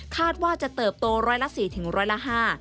คาดว่าจะเติบโตร้อยละ๔๕